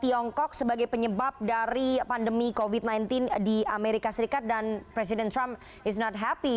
tiongkok sebagai penyebab dari pandemi covid sembilan belas di amerika serikat dan presiden trump is not happy